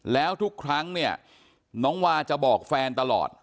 แล้วทุกครั้งเนี่ยน้องวาจะบอกแฟนตลอด